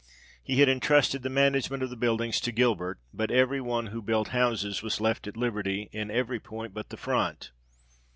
He had entrusted the management of the buildings to Gilbert ; but every one who built houses, was left at liberty in every point but the front.